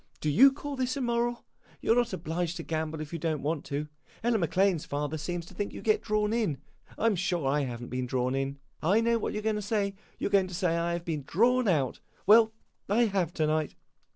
Do you call this immoral? You 're not obliged to gamble if you don't want to. Ella Maclane's father seems to think you get drawn in. I 'm sure I have n't been drawn in. I know what you 're going to say you 're going to say I have been drawn out. Well, I have, to night.